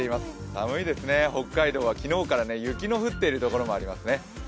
寒いですね、北海道は昨日から雪の降っているところもありますね。